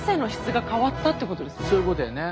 そういうことやね。